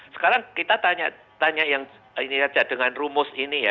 sekarang kita tanya yang ini saja dengan rumus ini ya